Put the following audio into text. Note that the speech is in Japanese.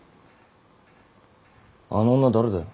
あの女誰だよ。